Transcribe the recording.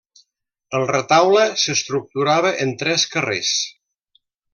El retaule s'estructurava en tres carrers.